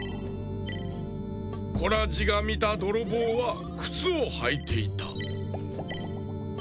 コラジがみたどろぼうはくつをはいていた。